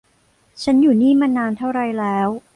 ฉันอยู่นี่มานานเท่าไรแล้ว